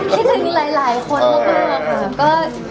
คิดถึงหลายคนมากค่ะ